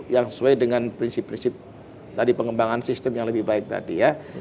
yang sesuai dengan prinsip prinsip tadi pengembangan sistem yang lebih baik tadi ya